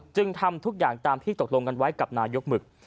ทำทุกอย่างตามที่ตกลงกันไว้กับนายกหมึก